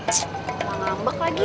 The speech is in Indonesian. cip mau ngambek lagi